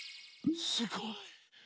すごい。